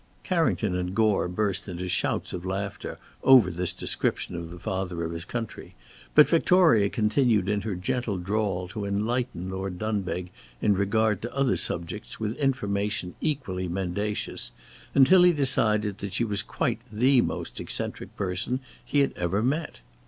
Carrington and Gore burst into shouts of laughter over this description of the Father of his country, but Victoria continued in her gentle drawl to enlighten Lord Dunbeg in regard to other subjects with information equally mendacious, until he decided that she was quite the most eccentric person he had ever met.